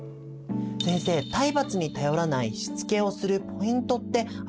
先生体罰に頼らないしつけをするポイントってありますか？